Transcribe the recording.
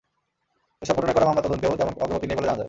এসব ঘটনায় করা মামলার তদন্তেও তেমন অগ্রগতি নেই বলে জানা যায়।